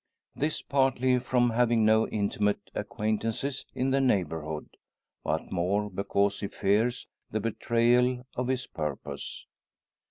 This partly from having no intimate acquaintances in the neighbourhood, but more because he fears the betrayal of his purpose.